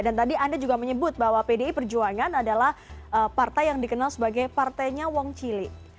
dan tadi anda juga menyebut bahwa pdi perjuangan adalah partai yang dikenal sebagai partainya wong cili